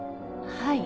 はい。